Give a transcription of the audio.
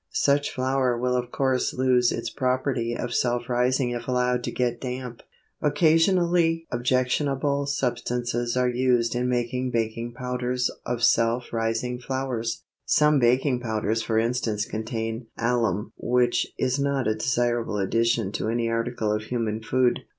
Such flour will of course lose its property of self rising if allowed to get damp. Occasionally objectionable substances are used in making baking powders of self rising flours. Some baking powders for instance contain alum which is not a desirable addition to any article of human food.